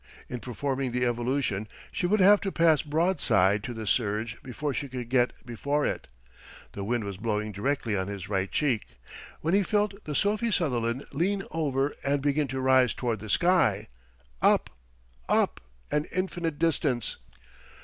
In performing the evolution she would have to pass broadside to the surge before she could get before it. The wind was blowing directly on his right cheek, when he felt the Sophie Sutherland lean over and begin to rise toward the sky—up—up—an infinite distance!